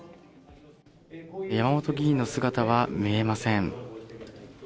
山本議員の姿は見えません。